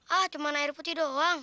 ah cuma air putih doang